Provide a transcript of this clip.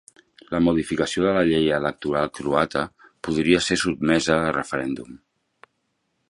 La modificació de la llei electoral croata podria ser sotmesa a referèndum.